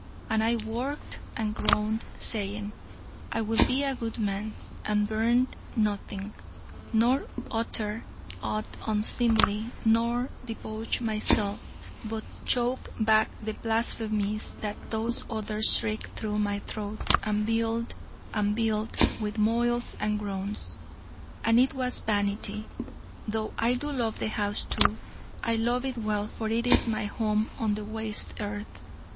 And I worked and groaned, saying: 'I will be a good man, and burn nothing, nor utter aught unseemly, nor debauch myself, but choke back the blasphemies that Those Others shriek through my throat, and build and build, with moils and groans.' And it was Vanity: though I do love the house, too, I love it well, for it is my home on the waste earth.